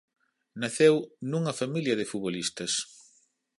Naceu nunha familia de futbolistas.